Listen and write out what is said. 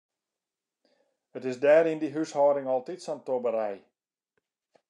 It is dêr yn dy húshâlding altyd sa'n tobberij.